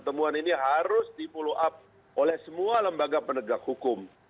temuan ini harus di follow up oleh semua lembaga penegak hukum